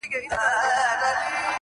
یوه خبره ورته یاده وه له پلاره څخه-